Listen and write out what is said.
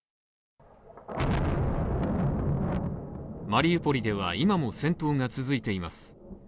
マリウポリでは今も戦闘が続いています。